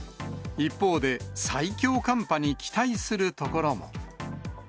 一方で、最強寒波に期待する所も。